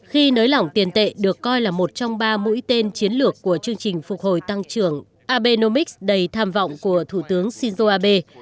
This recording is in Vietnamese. khi nới lỏng tiền tệ được coi là một trong ba mũi tên chiến lược của chương trình phục hồi tăng trưởng abnomics đầy tham vọng của thủ tướng shinzo abe